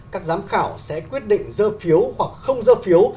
các giám khảo sẽ quyết định dơ phiếu hoặc không dơ phiếu